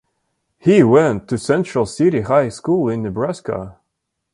He went to Central City High School in Nebraska.